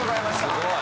すごい。